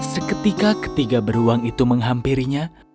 seketika ketiga beruang itu menghampirinya